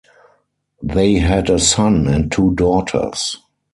They had a son and two daughters.